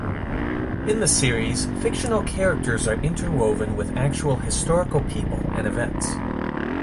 In the series, fictional characters are interwoven with actual historical people and events.